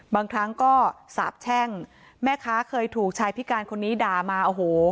บางครั้งก็สาบแช่งแม่ค้าเคยถูกชายพิการคนนี้ด่ามาโอ้โห